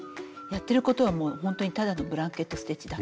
やってることはもうほんとにただのブランケット・ステッチだけです。